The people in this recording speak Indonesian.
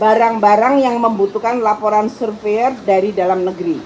barang barang yang membutuhkan laporan surveyor dari dalam negeri